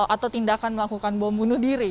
atau tindakan melakukan bom bunuh diri